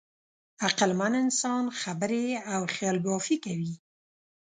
عقلمن انسان خبرې او خیالبافي کوي.